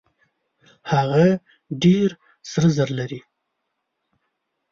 هغه ډېر سره زر لري.